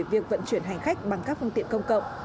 việc vận chuyển hành khách bằng các phương tiện công cộng